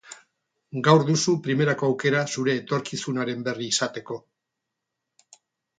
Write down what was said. Gaur duzu primerako aukera zure etorkizunaren berri izateko.